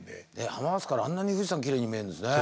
浜松からあんなに富士山きれいに見えるんですね。